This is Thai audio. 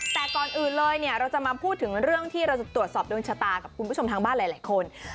แต่ก่อนอื่นเลยเนี่ยเราจะมาพูดถึงเรื่องที่เราจะตรวจสอบดวงชะตากับคุณผู้ชมทางบ้านหลายคน